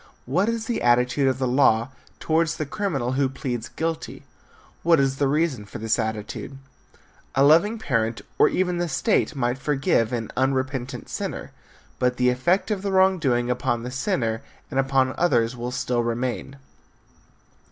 What is the attitude of the law towards the criminal who pleads guilty? What is the reason for this attitude? A loving parent or even the state might forgive an unrepentant sinner, but the effect of the wrong doing upon the sinner and upon others may still remain.